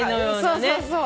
そうそうそう。